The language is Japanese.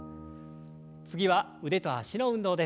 次は腕と脚の運動です。